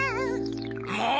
もう！